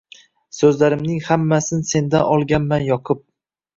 So‘zlarimning hammasin sendan olganman yoqib.